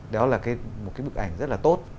đó là một cái bức ảnh rất là tốt